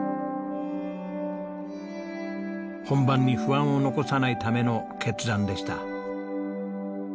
本番に不安を残さないための決断でした。